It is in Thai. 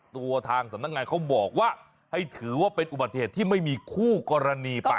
ตัวทางสำนักงานเขาบอกว่าให้ถือว่าเป็นอุบัติเหตุที่ไม่มีคู่กรณีไป